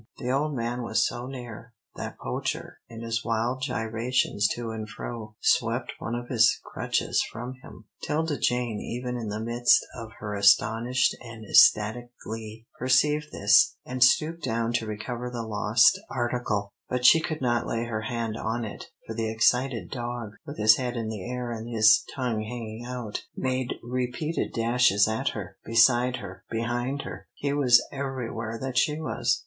The old man was so near, that Poacher, in his wild gyrations to and fro, swept one of his crutches from him. 'Tilda Jane, even in the midst of her astonished and ecstatic glee, perceived this, and stooped down to recover the lost article, but she could not lay her hand on it, for the excited dog, with his head in the air and his tongue hanging out, made repeated dashes at her, beside her, behind her, he was everywhere that she was.